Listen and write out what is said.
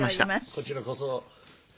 こちらこそ。